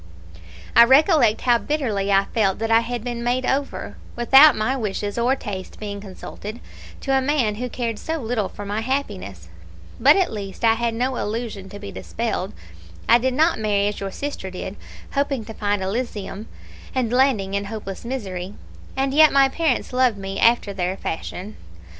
"I recollect how bitterly I felt that I had been made over, without my wishes or tastes being consulted, to a man who cared so little for my happiness; but at least I had no illusion to be dispelled; I did not marry as your sister did, hoping to find Elysium, and landing in hopeless misery; and yet my parents loved me after their fashion.